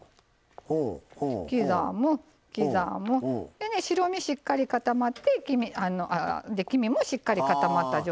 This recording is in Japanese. でね白身しっかり固まってで黄身もしっかり固まった状態。